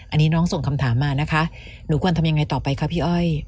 อันนี้น้องส่งคำถามมานะคะหนูควรทำยังไงต่อไปคะพี่อ้อย